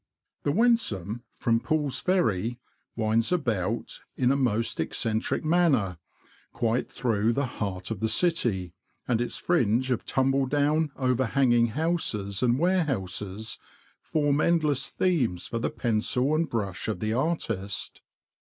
F 66 THE LAND OF THE BROADS. The Wensum, from Pull's Ferry, winds about, in a most eccentric manner, quite through the heart of the city, and its fringe of tumble down, overhanging houses and warehouses, form endless themes for the pencil and brush of the artist.